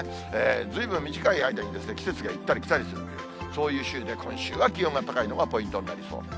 ずいぶん短い間に、季節が行ったり来たりするという、そういう週で、今週は気温が高いのがポイントになりそうです。